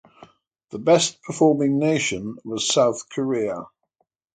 The best performing nation was South Korea.